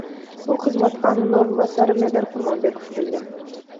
Бул кызматка анын орун басары Медер Курманбеков келген.